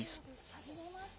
はじめまして。